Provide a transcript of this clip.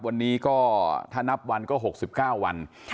วันนี้ก็ถ้านับวันก็หกสิบเก้าวัน